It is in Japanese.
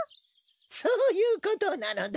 そういうことなのだ。